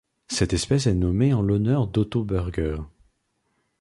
Cette espèce est nommée en l'honneur d'Otto Bürger.